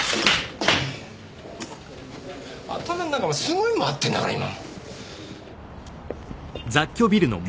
頭ん中お前すごい回ってるんだから今。